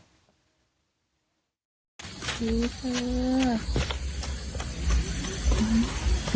นี่คือ